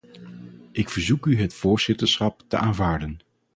Ik verzoek u het voorzitterschap te aanvaarden.